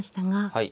はい。